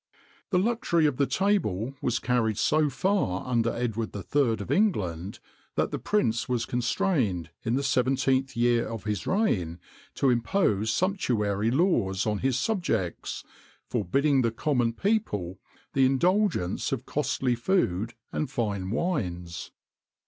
[XXIX 96] The luxury of the table was carried so far under Edward III. of England, that that prince was constrained, in the 17th year of his reign, to impose sumptuary laws on his subjects, forbidding the common people the indulgence of costly food and fine wines.